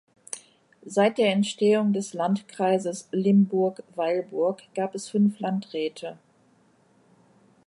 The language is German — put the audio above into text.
Seit der Entstehung des Landkreises Limburg-Weilburg gab es fünf Landräte.